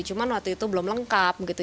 cuma waktu itu belum lengkap gitu